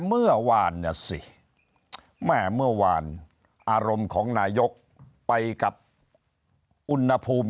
เมื่อวานน่ะสิแม่เมื่อวานอารมณ์ของนายกไปกับอุณหภูมิ